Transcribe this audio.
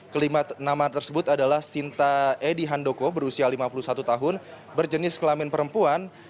kelima nama tersebut adalah sinta edi handoko berusia lima puluh satu tahun berjenis kelamin perempuan